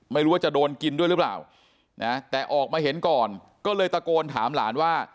ไม่รู้ว่าจะโดนกินด้วยหรือเปล่านะแต่ออกมาเห็นก่อนก็เลยตะโกนถามหลานว่า